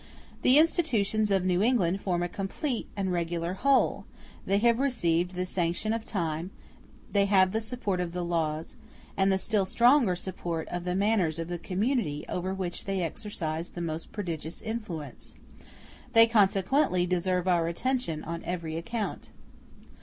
The institutions of New England form a complete and regular whole; they have received the sanction of time, they have the support of the laws, and the still stronger support of the manners of the community, over which they exercise the most prodigious influence; they consequently deserve our attention on every account.